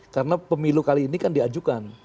karena pemilu kali ini kan diajukan